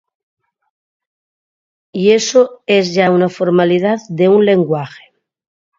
Y eso es ya una formalidad de un lenguaje.